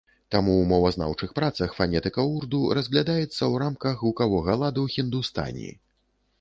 Таму ў мовазнаўчых працах фанетыка ўрду разглядаецца ў рамках гукавога ладу хіндустані.